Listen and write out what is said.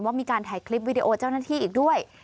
มีการถ่ายคลิปวิดีโอเจ้าหน้าที่อีกด้วย